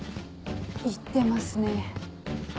いってますね。